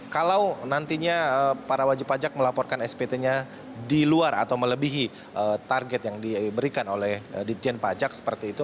kalau nantinya para wajib pajak melaporkan spt nya di luar atau melebihi target yang diberikan oleh ditjen pajak seperti itu